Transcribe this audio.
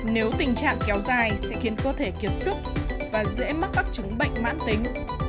nếu tình trạng kéo dài sẽ khiến cơ thể kiệt sức và dễ mắc các chứng bệnh mãn tính